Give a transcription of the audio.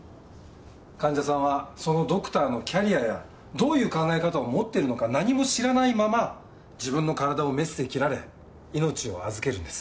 患者さんはそのドクターのキャリアやどういう考え方を持っているのか何も知らないまま自分の体をメスで切られ命を預けるんです。